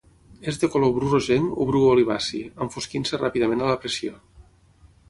És de color bru rogenc o bru olivaci, enfosquint-se ràpidament a la pressió.